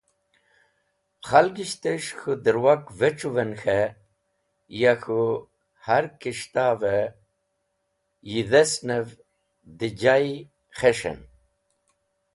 Khalgishtes̃h k̃hũ dẽrwak vec̃hũven k̃he ya k̃hũ har kis̃ht’v-e yidhesnev dẽ yijay khes̃hen.